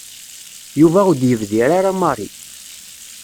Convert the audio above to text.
Yuba ur d-yebdir ara Mary.